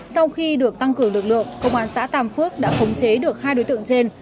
sau khi được tăng cường lực lượng công an xã tàm phước đã khống chế được hai đối tượng trên